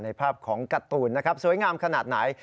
ภาพของการ์ตูนนะครับสวยงามขนาดไหน